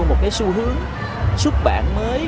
một xu hướng xuất bản mới